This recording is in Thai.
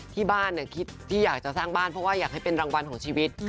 ที่บ้านคิดที่อยากจะสร้างบ้านเพราะว่าอยากให้เป็นรางวัลของชีวิต